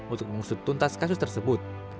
untuk mengusut tuntas kasus tersebut